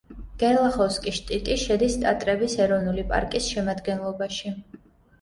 გერლახოვსკი-შტიტი შედის ტატრების ეროვნული პარკის შემადგენლობაში.